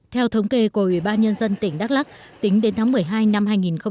theo thống kê của ủy ban nhân dân tỉnh đắk lắc tính đến tháng một mươi hai năm hai nghìn một mươi chín